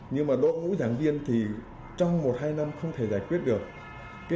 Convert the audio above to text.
nhưng mà đội ngũ giảng viên thì trong một hai năm không thể giải quyết được